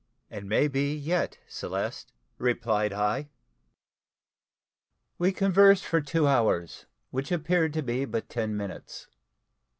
"And may be yet, Celeste," replied I. We conversed for two hours, which appeared to be but ten minutes.